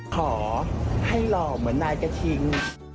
ขอให้หล่อเหมือนนายกระทิง